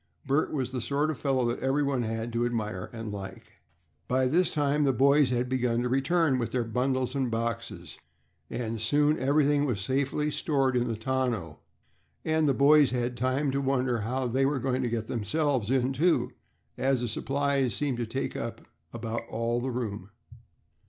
Bert was the sort of fellow that everyone had to admire and like. By this time the boys had begun to return with their bundles and boxes, and soon everything was safely stored in the tonneau, and the boys had time to wonder how they were going to get themselves in too, as the supplies seemed to take up about all the room.